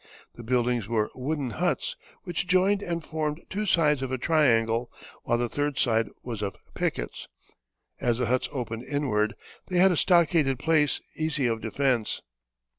The buildings were wooden huts, which joined and formed two sides of a triangle, while the third side was of pickets. As the huts opened inward, they had a stockaded place easy of defence.